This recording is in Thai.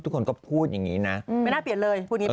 ทุกคนก็พูดอย่างนี้นะไม่น่าเปลี่ยนเลยพูดอย่างนี้เลย